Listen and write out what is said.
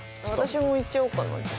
私も行っちゃおうかな。